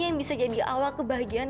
yang bisa jadi awal kebahagiaan